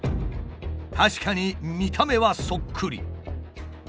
確かに見た目はそっくり。